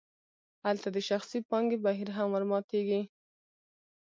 هلته د شخصي پانګې بهیر هم ورماتیږي.